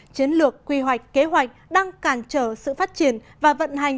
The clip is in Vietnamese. chiến lược quy hoạch kế hoạch đang cản trở sự phát triển và vận hành